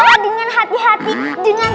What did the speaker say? yang gaji kalian semua siapa